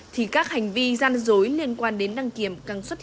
thì các hành vi gian dối liên quan đến đăng kiểm càng xuất hiện